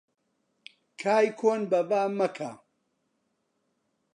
کای کۆن بەبا مەکە